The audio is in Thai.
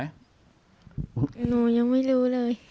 หนูยังไม่รู้เลย